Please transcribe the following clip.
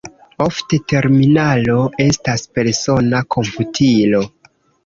Ofte terminalo estas persona komputilo.